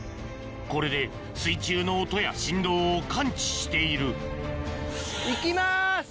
これで水中の音や振動を感知している・行きます！